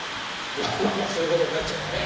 まあまあまあそういうことになっちゃうよね。